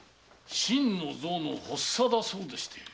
心の臓の発作だそうでして。